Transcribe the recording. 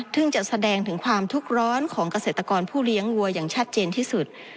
ซึ่งจะแสดงถึงความทุกข์ร้อนของเกษตรกรผู้เลี้ยงวัวอย่างชัดเจนที่สุด